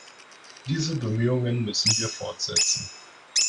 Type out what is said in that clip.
Diese Bemühungen müssen wir fortsetzen.